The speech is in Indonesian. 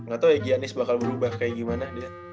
ga tau ya giannis bakal berubah kayak gimana dia